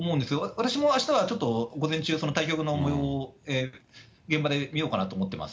私もあしたはちょっと午前中、その対局のもようを現場で見ようかなと思ってます。